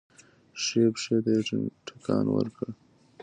ښی پښې ته يې ټکان ورکړ.